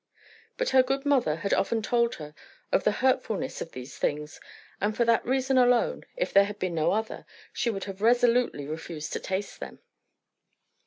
But her good mother had often told her of the hurtfulness of these things; and for that reason alone, if there had been no other, she would have resolutely refused to taste them.